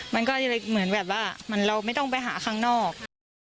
มันก็เลยเหมือนแบบว่าเราไม่ต้องไปหาข้างนอก